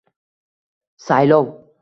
Saylov?